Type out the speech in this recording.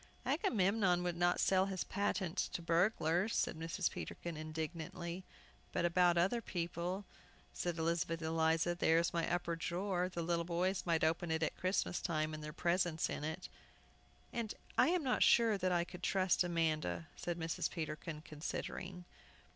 "Agamemnon would not sell his patent to burglars!" said Mrs. Peterkin, indignantly. "But about other people," said Elizabeth Eliza; "there is my upper drawer; the little boys might open it at Christmas time, and their presents in it!" "And I am not sure that I could trust Amanda," said Mrs. Peterkin, considering.